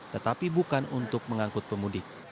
tetapi bukan untuk mengangkut pemudik